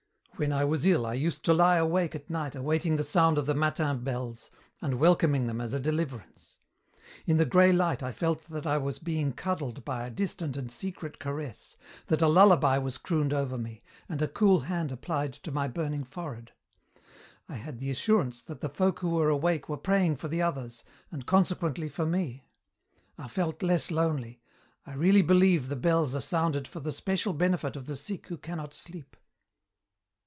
When I was ill I used to lie awake at night awaiting the sound of the matin bells and welcoming them as a deliverance. In the grey light I felt that I was being cuddled by a distant and secret caress, that a lullaby was crooned over me, and a cool hand applied to my burning forehead. I had the assurance that the folk who were awake were praying for the others, and consequently for me. I felt less lonely. I really believe the bells are sounded for the special benefit of the sick who cannot sleep."